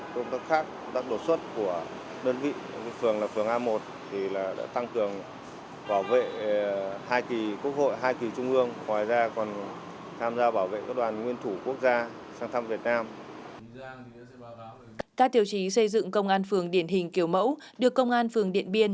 các tiêu chí xây dựng công an phường điển hình kiểu mẫu được công an phường điện biên